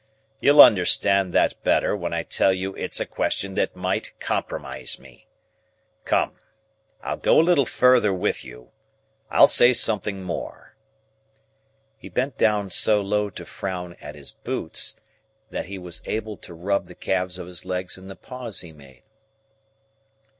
You'll understand that better, when I tell you it's a question that might compromise me. Come! I'll go a little further with you; I'll say something more." He bent down so low to frown at his boots, that he was able to rub the calves of his legs in the pause he made.